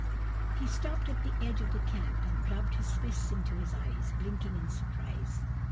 He stopped at the edge of the camp and rubbed his fists into his eyes, blinking in surprise.